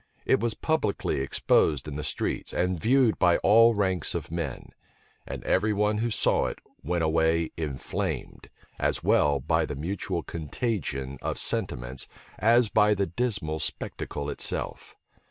It was publicly exposed in the streets, and viewed by all ranks of men; and every one who saw it went away inflamed, as well by the mutual contagion of sentiments, as by the dismal spectacle itself.